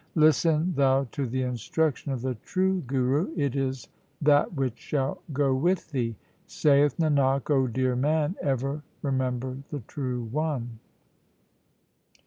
Listen thou to the instruction of the true Guru, it is that which shall go with thee. Saith Nanak, O dear man, ever remember the True One.